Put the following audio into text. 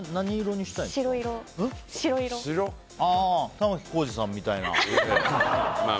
玉置浩二さんみたいな。